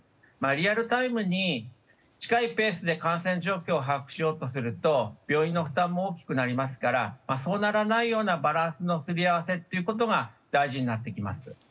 リアルタイムに近いペースで感染状況を把握しようとすると病院の負担も大きくなりますからそうならないようなバランスのすり合わせというのが大事になってきます。